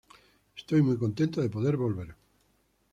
Estoy muy contento de poder volver.